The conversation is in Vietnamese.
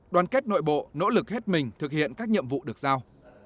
đoàn kết nội bộ nỗ lực hết mình thực hiện các nhiệm vụ được giao